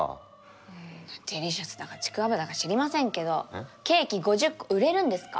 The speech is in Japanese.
デリシャスだかちくわぶだか知りませんけどケーキ５０個売れるんですか